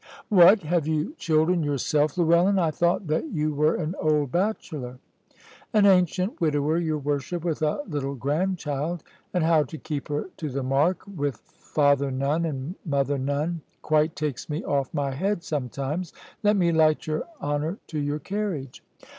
"What! have you children yourself, Llewellyn? I thought that you were an old bachelor." "An ancient widower, your worship, with a little grandchild; and how to keep her to the mark, with father none and mother none, quite takes me off my head sometimes. Let me light your honour to your carriage."